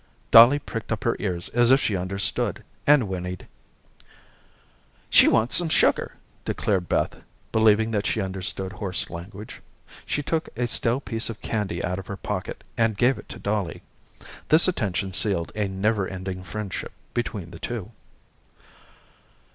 Dolly pricked up her ears as if she understood, and whinnied. "She wants some sugar," declared Beth, believing that she understood horse language. She took a stale piece of candy out of her pocket, and gave it to Dolly. This attention sealed a never ending friendship between the two.